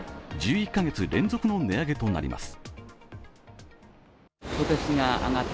１１カ月連続の値上げとなります。